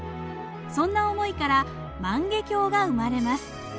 そんな思いから「万華鏡」が生まれます。